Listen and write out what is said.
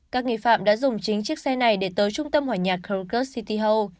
các nghi phạm đã dùng chính chiếc xe này để tới trung tâm hòa nhà crocus city hall